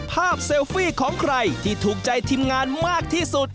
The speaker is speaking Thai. เซลฟี่ของใครที่ถูกใจทีมงานมากที่สุด